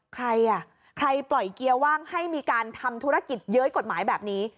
ใครอ่ะใครปล่อยเกียร์ว่างให้มีการทำธุรกิจเย้ยกฎหมายแบบนี้